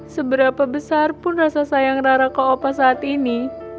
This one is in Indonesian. seberapa besar pun rasa sayang rara koopa saat ini